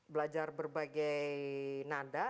belajar berbagai nada